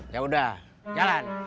ya udah jalan